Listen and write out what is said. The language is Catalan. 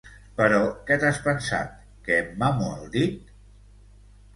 Però què t'has pensat, que em mamo el dit?